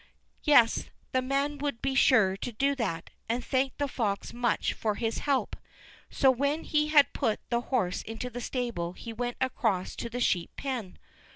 Yes, the man would be sure to do that, and thanked the fox much for his help. So when he had put the horse into the stable he went across to the sheep pen.